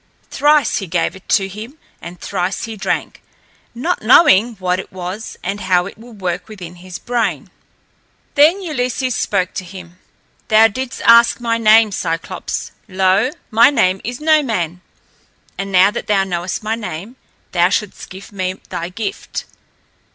Thrice he gave it to him and thrice he drank, not knowing what it was and how it would work within his brain. Then Ulysses spake to him. "Thou didst ask my name, Cyclops. Lo! my name is No Man. And now that thou knowest my name, thou shouldst give me thy gift."